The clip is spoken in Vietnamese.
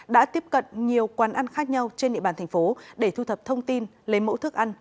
đã tiếp cận nhiều quán ăn khác nhau trên địa bàn thành phố để thu thập thông tin lấy mẫu thức ăn